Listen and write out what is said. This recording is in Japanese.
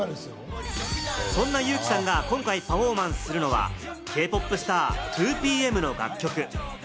そんなユウキさんが今回、パフォーマンスするのはＫ−ＰＯＰスター・２ＰＭの楽曲。